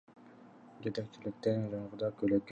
Жетекчиликтен жаңыртууга көлөкө түшпөсүн деген буйрук болгон.